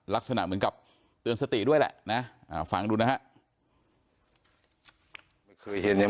ลักษณะเหมือนกับเตือนสติด้วยแหละนะฟังดูนะฮะ